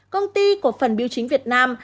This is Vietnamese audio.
công ty cộng phần biêu chính việt nam